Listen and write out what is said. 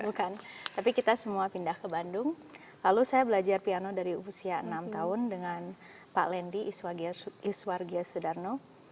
bukan tapi kita semua pindah ke bandung lalu saya belajar piano dari usia enam tahun dengan pak lendi iswargia sudarno